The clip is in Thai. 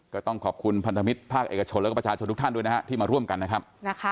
ก็ต้องขอบคุณพันธมิตรภาคเอกชนแล้วก็ประชาชนทุกท่านด้วยนะฮะที่มาร่วมกันนะครับ